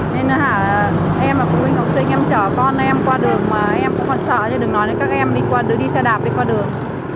nên là em và phụ huynh học sinh em chở con em qua đường mà em cũng còn sợ chứ đừng nói đến các em đi xe đạp qua đường